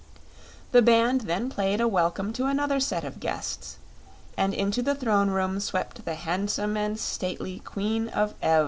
The band then played a welcome to another set of guests, and into the Throne Room swept the handsome and stately Queen of Ev.